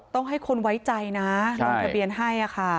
ต้องให้คนไว้ใจนะลงทะเบียนให้ค่ะ